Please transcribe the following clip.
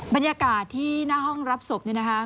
บรรยากาศที่หน้าห้องรับศพนี่นะคะ